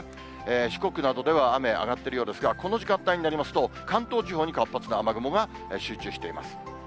四国などでは雨上がっているようですが、この時間帯になりますと、関東地方に活発な雨雲が集中しています。